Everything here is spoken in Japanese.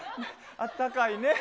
あったかいね。